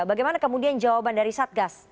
bagaimana kemudian jawaban dari satgas